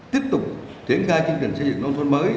tiếp tục triển khai chương trình xây dựng nông thôn mới